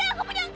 aih aih aih